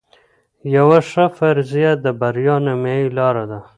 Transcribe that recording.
یوه ښه فرضیه د بریا نیمايي لار ده.